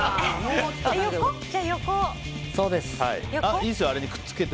いいですよ、あれにくっつけて。